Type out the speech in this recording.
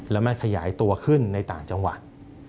แล้วมันขยายตัวขึ้นในต่างจังหวัด